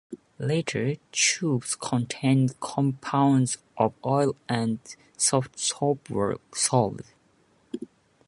Later, tubes containing compounds of oils and soft soap were sold.